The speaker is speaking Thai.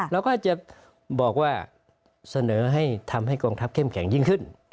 เราก็จะบอกว่าเสนอให้ทำให้กองทัพเข้มแข็งยิ่งขึ้น